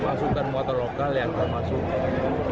masukkan motor lokal yang akan masuk